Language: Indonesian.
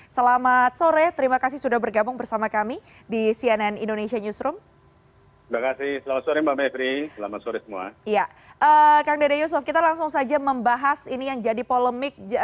selamat sore terima kasih sudah bergabung bersama kami di cnn indonesia newsroom